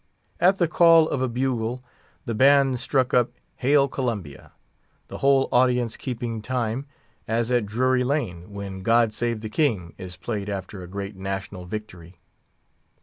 At the call of a bugle the band struck up Hail Columbia, the whole audience keeping time, as at Drury Lane, when God Save The King is played after a great national victory.